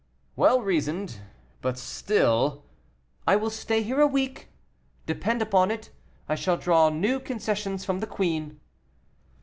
"Well reasoned, but still " "I will stay here a week; depend upon it I shall draw new concessions from the queen."